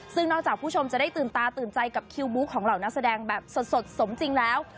ซึ่งนอกจากผู้ชมจะได้ตื่นตาตื่นใจกับคิวบู๊ของเหล่านักแสดงแบบสดสมจริงแล้ว